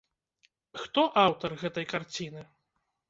Хто аўтар гэтай карціны?